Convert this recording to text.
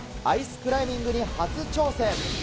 アイスクライミングに初挑戦。